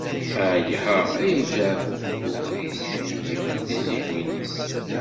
Iha, ay ajeɛbub n ugris, tin yifen tizyiwin-is.